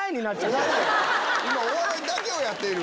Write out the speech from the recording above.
お笑いだけをやっている。